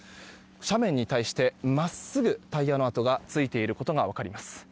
斜面に対してまっすぐタイヤの跡がついていることが分かります。